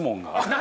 何？